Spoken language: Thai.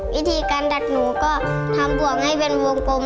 วิธีการดัดหนูก็ทำบ่วงให้เป็นวงกลม